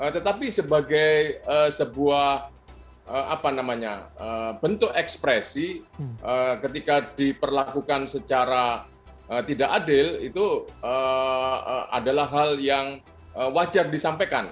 tetapi sebagai sebuah bentuk ekspresi ketika diperlakukan secara tidak adil itu adalah hal yang wajar disampaikan